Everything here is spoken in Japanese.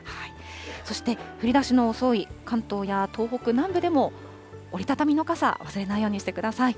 そして降りだしの遅い関東や東北南部でも、折り畳みの傘、忘れないようにしてください。